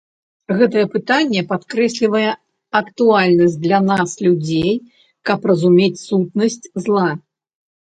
Гэта пытанне падкрэслівае актуальнасць для нас, людзей, каб разумець сутнасць зла.